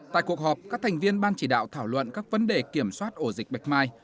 tại cuộc họp các thành viên ban chỉ đạo thảo luận các vấn đề kiểm soát ổ dịch bạch mai